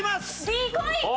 Ｄこい！